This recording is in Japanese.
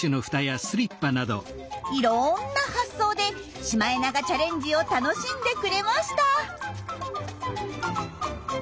いろんな発想でシマエナガチャレンジを楽しんでくれました。